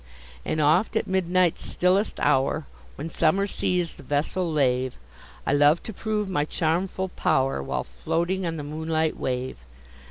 And oft at midnight's stillest hour, When summer seas the vessel lave, I love to prove my charmful pow'r While floating on the moonlight wave.